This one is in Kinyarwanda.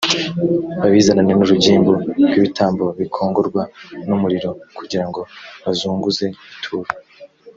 babizanane n urugimbu rw ibitambo bikongorwa n umuriro kugira ngo bazunguze ituro